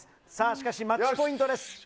しかし、マッチポイントです。